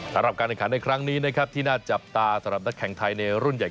การแข่งขันในครั้งนี้นะครับที่น่าจับตาสำหรับนักแข่งไทยในรุ่นใหญ่